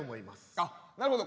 なるほど。